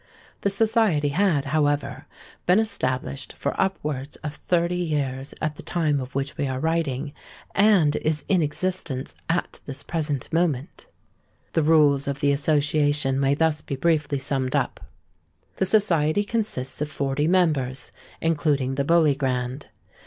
The society had, however, been established for upwards of thirty years at the time of which we are writing,—and is in existence at this present moment. The rules of the association may thus be briefly summed up:—The society consists of Forty Members, including the Bully Grand.